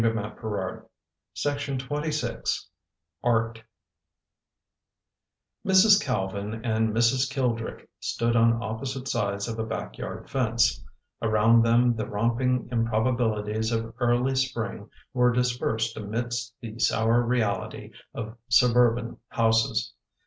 Of that, too, he was unaware. ART MRS. CALVIN and Mrs. Kildrick stood on oppo site sides of a back yard fence. Around them the romping improbabilities of early spring were dispersed amidst the sour reality of suburban houses.